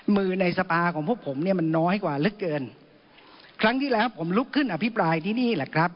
ในสภาของพวกผมเนี่ยมันน้อยกว่าลึกเกินครั้งที่แล้วผมลุกขึ้นอภิปรายที่นี่แหละครับ